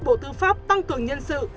bộ tư pháp tăng cường nhân sự